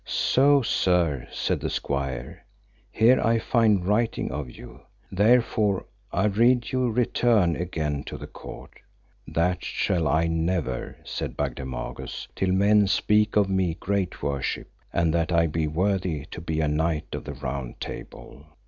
So, sir, said the squire, here I find writing of you, therefore I rede you return again to the court. That shall I never, said Bagdemagus, till men speak of me great worship, and that I be worthy to be a knight of the Round Table.